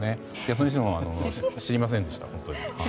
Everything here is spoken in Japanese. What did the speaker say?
それにしても知りませんでした。